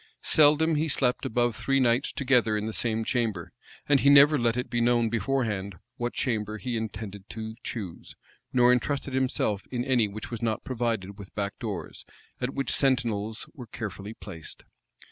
Seldom he slept above three nights together in the same chamber; and he never let it be known beforehand what chamber he intended to choose, nor intrusted himself in any which was not provided with back doors, at which sentinels were carefully placed.